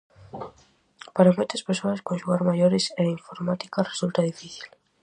Para moitas persoas conxugar maiores e informática resulta difícil.